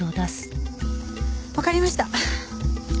わかりました。